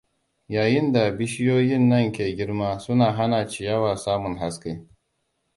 Yayin da bishiyoyin nan ke girma, suna hana ciyawa samun haske.